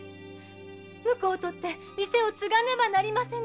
婿をとって店を継がねばなりませぬ。